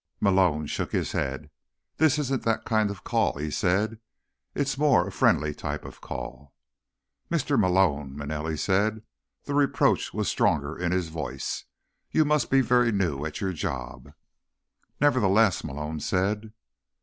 Malone shook his head. "This isn't that kind of call," he said. "It's more a friendly type of call." "Mr. Malone," Manelli said. The reproach was stronger in his voice. "You must be very new at your job." "Nevertheless," Malone said.